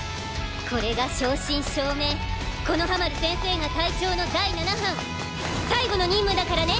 これが正真正銘木ノ葉丸先生が隊長の第七班最後の任務だからね！